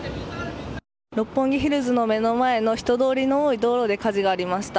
六本木ヒルズの目の前の人通りの多い道路で火事がありました。